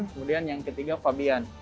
kemudian yang ketiga fabian